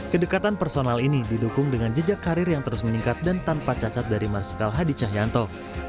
kedekatan personal ini didukung dengan jejak karir yang terus meningkat dan tanpa cacat dari marsikal hadi cahyanto